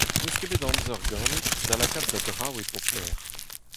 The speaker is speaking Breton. N'eus ket bet amzer ganit da lakaat da draoù e pep lec'h.